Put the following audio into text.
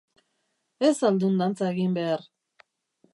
Ez al dun dantza egin behar?